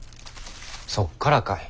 そっからかい。